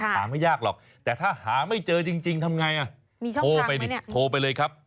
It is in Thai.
หาไม่ยากหรอกแต่ถ้าหาไม่เจอจริงจริงทำไงมีช่องพลังโทรไปเลยครับ